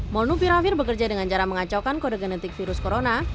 molnupiravir bekerja dengan cara mengacaukan kode genetik virus corona